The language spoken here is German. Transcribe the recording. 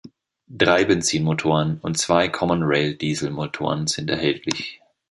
Drei Benzinmotoren und zwei Common-Rail-Dieselmotoren sind erhältlich.